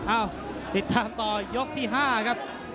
อ้าวติดตามต่อยกันยกที่ฮาครับ